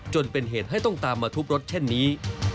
จนเป็นเหตุให้ต้องตามมาทุบรถเช่นนี้